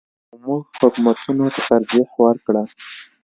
خو موږ حکومتونو ته ترجیح ورکړه.